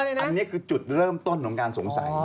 อันนี้ก็แม้จะเป็นจุดเริ่มต้นของการสงสัย